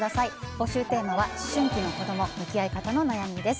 募集テーマは、思春期の子供向き合い方の悩みです。